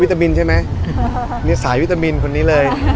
ตามินใช่ไหมนี่สายวิตามินคนนี้เลย